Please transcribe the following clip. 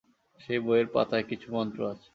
সেই বইয়ের পাতায় কিছু মন্ত্র আছে।